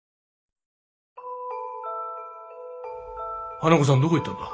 花子さんどこ行ったんだ？